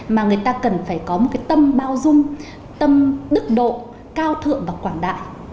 mà người ta cần phải có một cái tâm bao dung tâm đức độ cao thượng và quảng đại